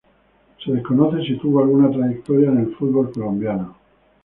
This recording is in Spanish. Se desconoce si tuvo alguna trayectoria en el fútbol colombiano.